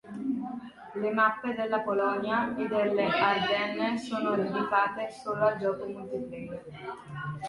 Le mappe della Polonia e delle Ardenne sono dedicate solo al gioco multiplayer.